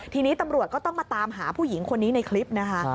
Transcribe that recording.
ทีนี้ตำรวจก็ต้องมาตามหาผู้หญิงคนนี้ในคลิปนะคะ